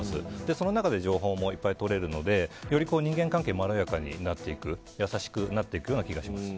その中で、情報もいっぱいとれるのでより人間関係がまろやかになっていく優しくなっていくような気がします。